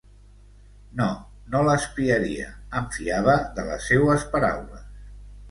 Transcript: No, no l'espiaria, em fiava de les seues paraules.